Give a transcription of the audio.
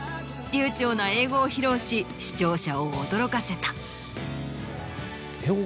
流ちょうな英語を披露し視聴者を驚かせた。